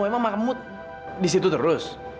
emang mama kamu disitu terus